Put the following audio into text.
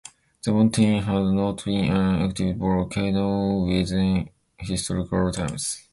The mountain has not been an active volcano within historical times.